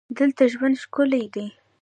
دلته ژوند ښکلی دی.